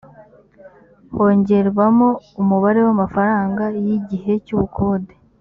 hongerwamo umubare w’amafaranga y’igihe cy’ubukode